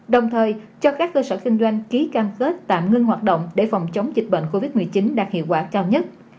đồng thời cho các cơ sở kinh doanh ký cam kết tạm ngưng hoạt động để phòng chống dịch bệnh covid một mươi chín đạt hiệu quả cao nhất